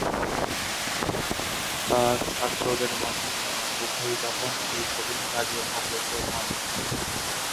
তাঁর ছাত্রদের মাঝে ইমাম বুখারী তখন এই কঠিন কাজে অগ্রসর হন।